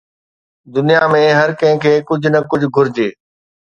دنيا ۾ هر ڪنهن کي ڪجهه نه ڪجهه گهرجي.